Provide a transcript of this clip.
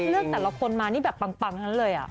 เลือกแต่ละคนมานี่แบบปังเลยอะ